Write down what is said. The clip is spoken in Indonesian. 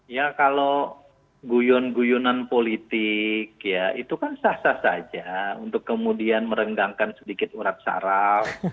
ya kalau guyun guyunan politik itu kan sah sah saja untuk kemudian merenggangkan sedikit urap sarap